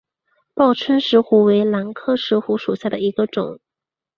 报春石斛为兰科石斛属下的一个种。